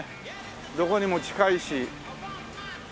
どこにも近いし。